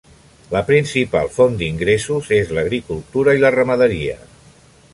La principal font d'ingressos és l'agricultura i la ramaderia.